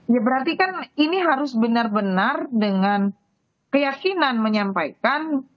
ya berarti kan ini harus benar benar dengan keyakinan menyampaikan